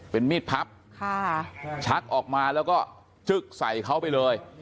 เป็นมีดพับค่ะชักออกมาแล้วก็จึ๊กใส่เขาไปเลย